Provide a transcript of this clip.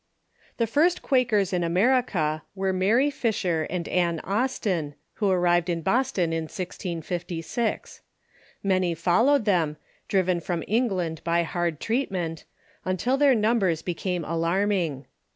] The first Quakers in America were Mary Fisher and Anne Austin, who arrived in Boston in 1656. Many followed them, driven from England by hard treatment, until their George Fox numbers became alarming.